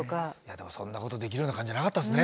でもそんなことできるような感じじゃなかったですね